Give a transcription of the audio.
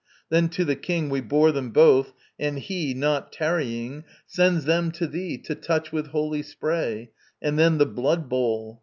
Then to the king We bore them both, and he, not tarrying, Sends them to thee, to touch with holy spray And then the blood bowl!